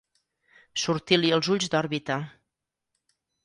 Sortir-li els ulls d'òrbita.